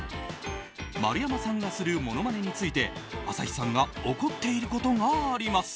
丸山さんがするモノマネについて朝日さんが怒っていることがあります。